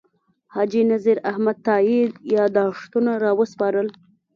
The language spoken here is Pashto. حاجي نذیر احمد تائي یاداښتونه راوسپارل.